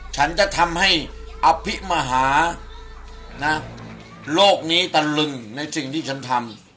ฉันจะทำให้อภิมหานะโลกนี้ตะลึงในสิ่งที่ฉันทำ